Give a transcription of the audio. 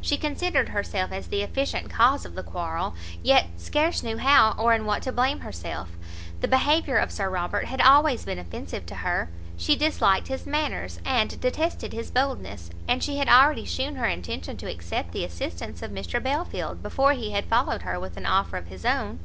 She considered herself as the efficient cause of the quarrel, yet scarce knew how or in what to blame herself; the behaviour of Sir Robert had always been offensive to her; she disliked his manners, and detested his boldness; and she had already shewn her intention to accept the assistance of Mr Belfield before he had followed her with an offer of his own.